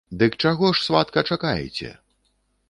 Дык чаго ж, сватка, чакаеце?